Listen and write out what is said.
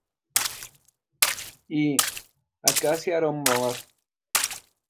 Y "Acacia aroma" var.